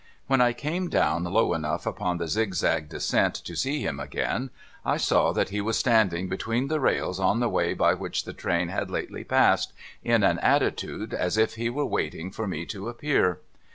When I came down low enough upon the zigzag descent to see him again, I saw that he was standing hetwcen the rails on the way by which the train had lately passed, in an attitude as if he were waiting for me to appear.